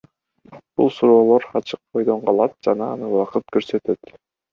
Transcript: Бул суроолор ачык бойдон калат жана аны убакыт көрсөтөт.